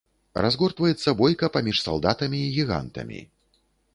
Разгортваецца бойка паміж салдатамі і гігантамі.